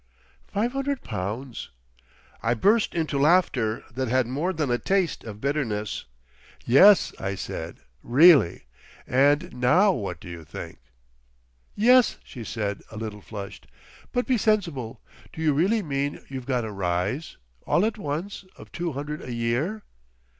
"Five hundred pounds!" I burst into laughter that had more than a taste of bitterness. "Yes," I said, "really! and now what do you think?" "Yes," she said, a little flushed; "but be sensible! Do you really mean you've got a Rise, all at once, of two hundred a year?"